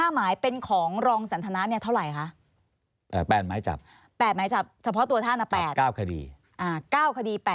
๕หมายเป็นของรองสันทนาเนี่ยเท่าไหร่คะ